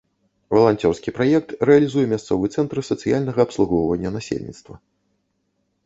Валанцёрскі праект рэалізуе мясцовы цэнтр сацыяльнага абслугоўвання насельніцтва.